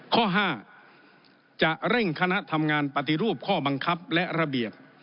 ข้อ๕จะเร่งคณะทำงานปฏิรูปข้อบังคับและระเบียบ